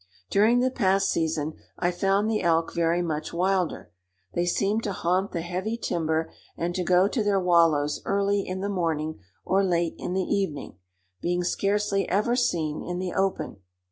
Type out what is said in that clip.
During the past season I found the elk very much wilder. They seemed to haunt the heavy timber, and to go to their wallows early in the morning or late in the evening, being scarcely ever seen in the open.